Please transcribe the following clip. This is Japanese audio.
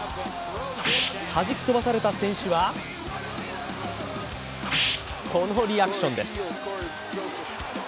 はじき飛ばされた選手はこのリアクションです。